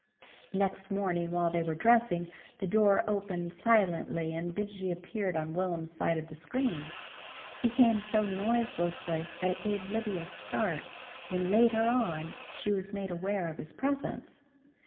Next morning while they were dressing, the door opened silently and Benjy appeared on Will'm's side of the screen. He came so noiselessly that it gave Libby a start when later on she was made aware of his presence.